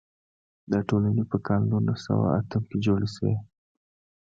دا ټولنې په کال نولس سوه اتم کې جوړې شوې.